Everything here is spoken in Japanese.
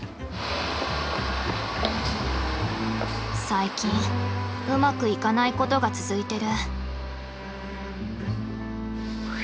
最近うまくいかないことが続いてる。